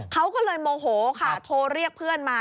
เขาก็เลยโมโหค่ะโทรเรียกเพื่อนมา